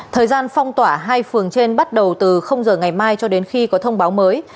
thời gian phong tỏa hai phường trên bắt đầu từ giờ ngày mai cho đến khi có thông báo mới